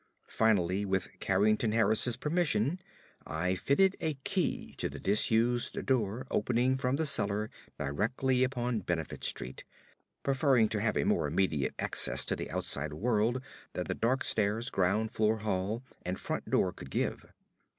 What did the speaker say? Finally, with Carrington Harris's permission, I fitted a key to the disused door opening from the cellar directly upon Benefit Street, preferring to have a more immediate access to the outside world than the dark stairs, ground floor hall, and front door could give.